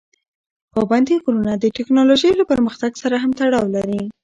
پابندي غرونه د تکنالوژۍ له پرمختګ سره هم تړاو لري.